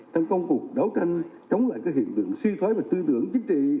trong công cuộc đấu tranh chống lại các hiện tượng suy thoái về tư tưởng chính trị